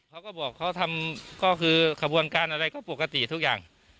เขาก็บอกเขาทำก็คือขบวนการอะไรก็ปกติทุกอย่าง